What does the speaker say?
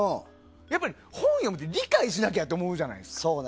やっぱり本を読むって理解しなきゃって思うじゃないですか。